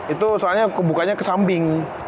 itu soalnya kebukanya ke samping